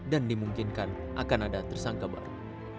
dan dimungkinkan akan ada tersangka baru